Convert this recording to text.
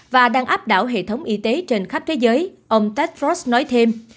và đang áp đảo hệ thống y tế trên khắp thế giới ông tedfrost nói thêm